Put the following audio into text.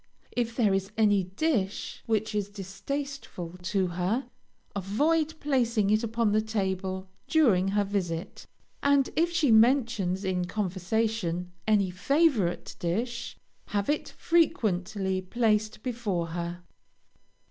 If there is any dish which is distasteful to her, avoid placing it upon the table during her visit, and if she mentions, in conversation, any favorite dish, have it frequently placed before her.